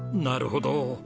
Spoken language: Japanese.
なるほど。